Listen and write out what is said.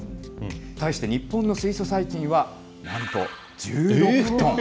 対して日本の水素細菌は、なんと１６トン。